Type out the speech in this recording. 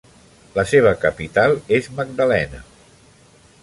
La seva capital és Magdalena.